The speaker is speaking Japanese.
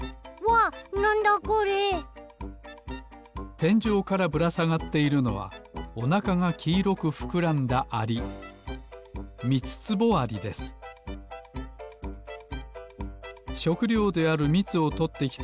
てんじょうからぶらさがっているのはおなかがきいろくふくらんだアリしょくりょうであるみつをとってきた